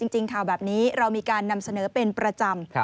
จริงข่าวแบบนี้เรามีการนำเสนอเป็นประจำ